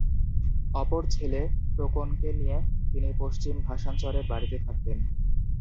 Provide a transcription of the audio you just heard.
অপর ছেলে টোকনকে নিয়ে তিনি পশ্চিম ভাষাণচরের বাড়িতে থাকতেন।